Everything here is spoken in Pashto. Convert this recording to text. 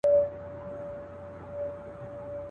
هغه زه یم هغه ښار هغه به دی وي.